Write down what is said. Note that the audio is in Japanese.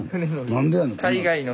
何でやの。